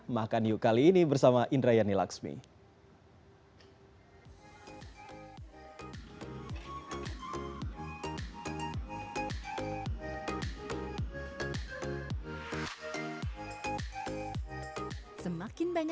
makan yuk kali ini bersama indrayani laksmi